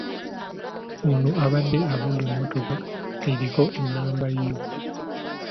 Ono abadde avuga emmotoka eriko ennamba ‘U’